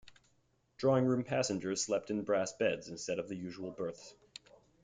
Drawing room passengers slept in brass beds instead of the usual berths.